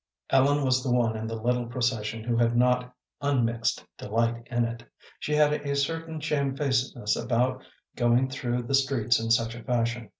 Ellen was the one in the little procession who had not unmixed delight in it. She had a certain shamefacedness about going through the streets in such a fashion.